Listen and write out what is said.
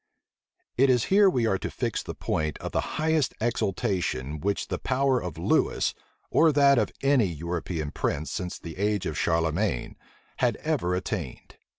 It is here we are to fix the point of the highest exaltation which the power of Lewis, or that of any European prince since the age of Charlemagne, had ever attained.